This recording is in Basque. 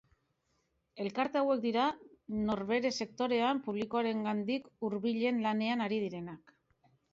Elkarte hauek dira, nor bere sektorean, publikoarengandik hurbilen lanean ari direnak.